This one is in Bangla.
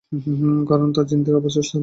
কারণ, তা জিনদের আবাসস্থল।